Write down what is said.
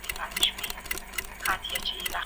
ما د ازادې مطالعې اموخت په تنکیواله کي واخیست.